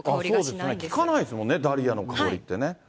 そうですね、聞かないですもんね、ダリアの香りってね。